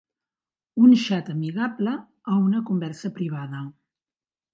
Un xat amigable o una conversa privada.